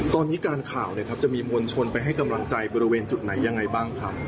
ตอนนี้การข่าวจะมีมวลชนไปให้กำลังใจบริเวณจุดไหนยังไงบ้างครับ